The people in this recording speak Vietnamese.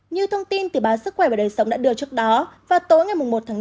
như thông tin từ báo sức khỏe và đời sống đã đưa trước đó vào tối ngày một tháng năm